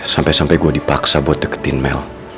sampai sampai gue dipaksa buat deketin mel